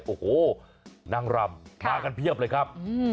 โอ้โหนางรำมากันเพียบเลยครับ